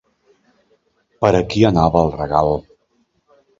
Per a qui anava el regal?